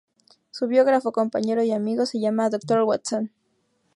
Su biógrafo, compañero y amigo se llama Dr. Watson.